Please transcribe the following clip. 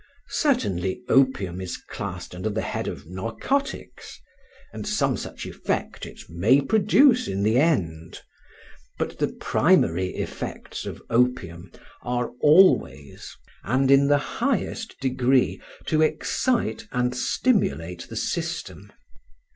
Certainly opium is classed under the head of narcotics, and some such effect it may produce in the end; but the primary effects of opium are always, and in the highest degree, to excite and stimulate the system.